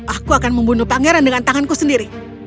aku akan membunuh pangeran dengan tanganku sendiri